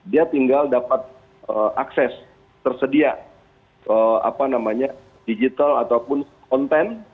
dia tinggal dapat akses tersedia digital ataupun konten